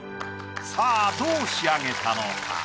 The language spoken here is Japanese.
さぁどう仕上げたのか？